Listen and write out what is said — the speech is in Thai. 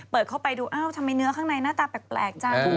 เปิดเข้าไปดูทำไมเนื้อข้างในน่าตาแปลกจ้า